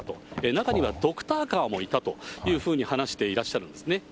中にはドクターカーもいたというふうに話していらっしゃるんですね。